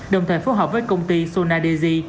đồng thời phối hợp với công ty sonadeji